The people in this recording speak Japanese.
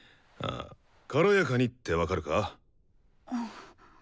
軽やかにって分かるか？